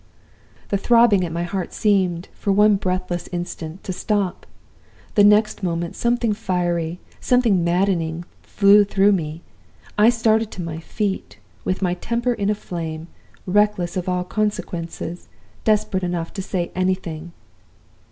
"The throbbing at my heart seemed, for one breathless instant, to stop. The next moment something fiery, something maddening, flew through me. I started to my feet, with my temper in a flame, reckless of all consequences, desperate enough to say anything.